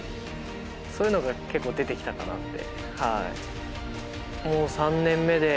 そういうのが結構出てきたかなって。